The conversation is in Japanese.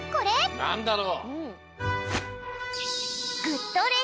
なんだろう？